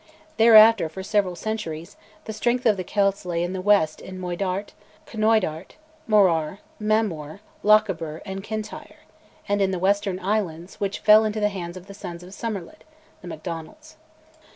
Thereafter, for several centuries, the strength of the Celts lay in the west in Moidart, Knoydart, Morar, Mamore, Lochaber, and Kintyre, and in the western islands, which fell into the hands of "the sons of Somerled," the Macdonalds.